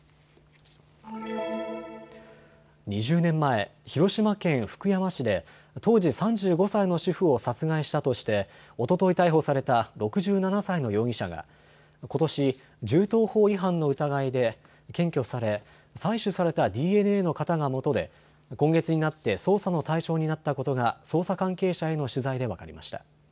２０年前、広島県福山市で当時３５歳の主婦を殺害したとして、おととい逮捕された６７歳の容疑者がことし銃刀法違反の疑いで検挙され採取されたＤＮＡの型がもとで今月になって捜査の対象になったことが捜査関係者への取材で分かりました。